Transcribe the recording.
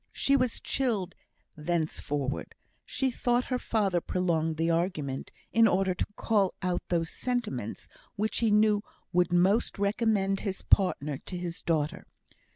She was chilled thenceforward; she thought her father prolonged the argument, in order to call out those sentiments which he knew would most recommend his partner to his daughter.